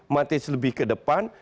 matic lebih ke depan